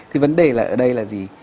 thì vấn đề ở đây là gì